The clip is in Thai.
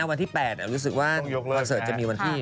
วันที่๘รู้สึกว่าคอนเสิร์ตจะมีวันที่